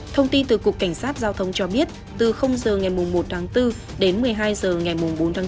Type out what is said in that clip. thông tin từ cục cảnh sát giao thông cho biết từ h ngày một tháng bốn đến một mươi hai h ngày bốn tháng bốn